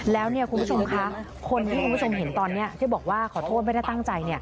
แล้วคุณผู้ชมคะคนที่คุณผู้ชมเห็นตอนนี้ที่บอกว่าขอโทษไม่ได้ตั้งใจ